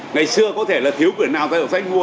ngày xưa có thể là thiếu quyển nào ra trong sách mua